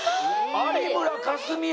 有村架純や。